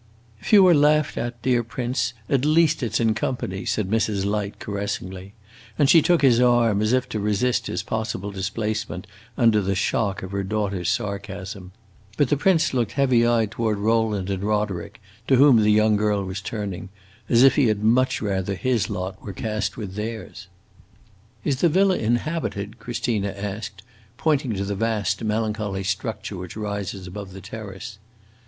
"If you are laughed at, dear prince, at least it 's in company," said Mrs. Light, caressingly; and she took his arm, as if to resist his possible displacement under the shock of her daughter's sarcasm. But the prince looked heavy eyed toward Rowland and Roderick, to whom the young girl was turning, as if he had much rather his lot were cast with theirs. "Is the villa inhabited?" Christina asked, pointing to the vast melancholy structure which rises above the terrace.